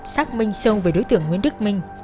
xác minh sâu về đối tượng nguyễn đức minh